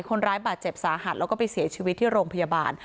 คนร้ายบาดเจ็บสาหัสแล้วก็ไปเสียชีวิตที่โรงพยาบาล